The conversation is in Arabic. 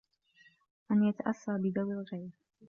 أَنْ يَتَأَسَّى بِذَوِي الْغِيَرِ